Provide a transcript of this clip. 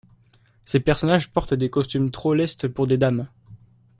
Ces personnages portent des costumes trop lestes pour des dames…